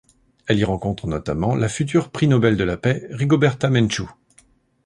Elle y rencontre notamment la future prix Nobel de la paix Rigoberta Menchú.